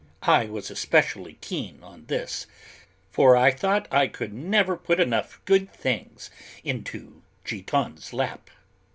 I was especially keen on this, for I thought I could never put enough good things into Giton's lap.